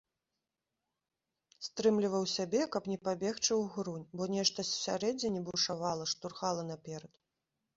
Стрымліваў сябе, каб не пабегчы ўгрунь, бо нешта ўсярэдзіне бушавала, штурхала наперад.